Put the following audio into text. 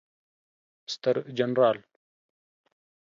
ستر جنرال